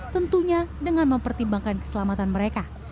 tentunya dengan mempertimbangkan keselamatan mereka